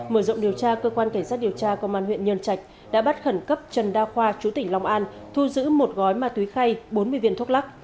mở rộng điều tra cơ quan cảnh sát điều tra công an huyện nhân trạch đã bắt khẩn cấp trần đa khoa chú tỉnh long an thu giữ một gói ma túy khay bốn mươi viên thuốc lắc